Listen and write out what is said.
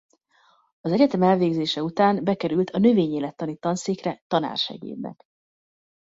Az egyetem elvégzése után bekerült a Növényélettani Tanszékre tanársegédnek.